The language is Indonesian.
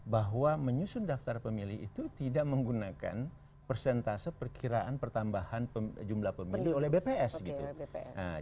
bahwa menyusun daftar pemilih itu tidak menggunakan persentase perkiraan pertambahan jumlah pemilih oleh bps gitu